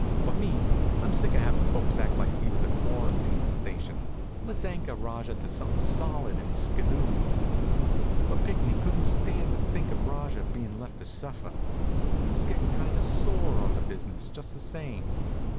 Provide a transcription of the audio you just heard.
For me, I'm sick of havin' folks act like we was a quarantine station. Let's anchor Rajah to something solid and skiddoo." But Pinckney couldn't stand it to think of Rajah being left to suffer. He was gettin' kind of sore on the business, just the same.